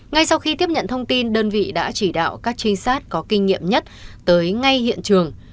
ngay sau khi tiếp nhận thông tin đơn vị đã chỉ đạo các trinh sát có kinh nghiệm nhất tới ngay hiện trường